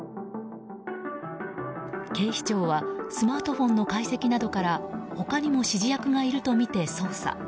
警視庁はスマートフォンの解析などから他にも指示役がいるとみて捜査。